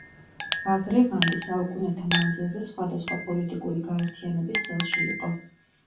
ბაგრევანდი საუკუნეთა მანძილზე სხვადასხვა პოლიტიკური გაერთიანების ხელში იყო.